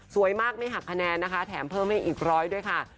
สวยมากไม่หักคะแนนแต่มเพิ่มให้อีกร้อยด้วยค่ะ